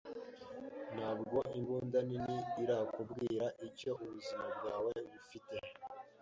Ntabwo Imbunda nini irakubwira icyo ubuzima bwawe bufite